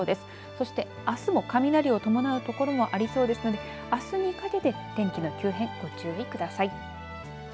そしてあすも雷を伴う所もありそうですのであすにかけて天気の急変ご注意ください。